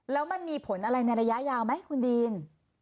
แล้วมันมีผลอะไรในระยะยาวไหมคุณดีน